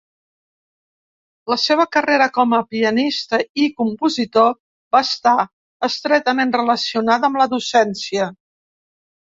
La seva carrera com a pianista i compositor va estar estretament relacionada amb la docència.